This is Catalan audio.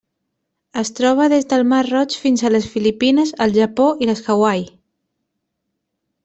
Es troba des del Mar Roig fins a les Filipines, el Japó i les Hawaii.